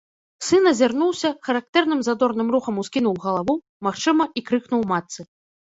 Сын азірнуўся, характэрным задорным рухам ускінуў галаву, магчыма, і крыкнуў матцы.